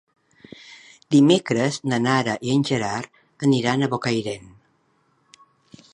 Dimecres na Nara i en Gerard aniran a Bocairent.